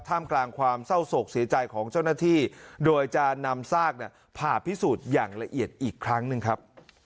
กลางความเศร้าโศกเสียใจของเจ้าหน้าที่โดยจะนำซากผ่าพิสูจน์อย่างละเอียดอีกครั้งหนึ่งครับ